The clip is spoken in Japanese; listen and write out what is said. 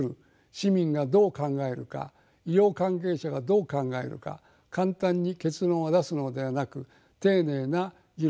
市民がどう考えるか医療関係者がどう考えるか簡単に結論を出すのではなく丁寧な議論説明が必要です。